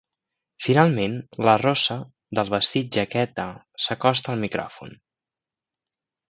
Finalment, la rossa del vestit jaqueta s'acosta al micròfon.